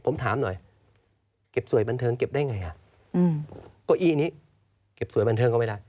ผมถามหน่อยเก็บสวยบันเทิงเก็บได้ไงเก้าอี้นี้เก็บสวยบันเทิงก็ไม่ได้